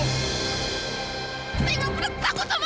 tidak boleh takut sama kamu